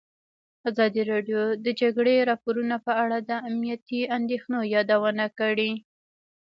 ازادي راډیو د د جګړې راپورونه په اړه د امنیتي اندېښنو یادونه کړې.